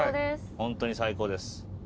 ホントに最高です。